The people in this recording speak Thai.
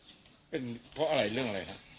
เป็นเพราะอะไรเรื่องอะไรครับ